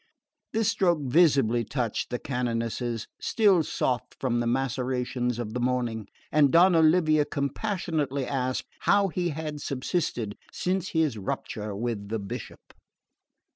This stroke visibly touched the canonesses, still soft from the macerations of the morning; and Donna Livia compassionately asked how he had subsisted since his rupture with the Bishop.